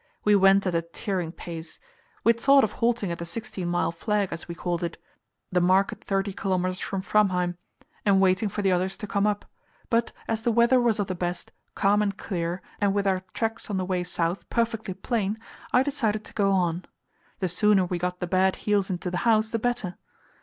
We went at a tearing pace. We had thought of halting at the sixteen mile flag, as we called it the mark at thirty kilometres from Framheim and waiting for the others to come up, but as the weather was of the best, calm and clear, and with our tracks on the way south perfectly plain, I decided to go on. The sooner we got the bad heels into the house, the better.